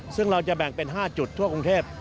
ซึ่งเราจะแบ่งเป็น๕จุดทั่วกรุงเทพ